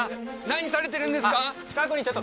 何されてるんですか？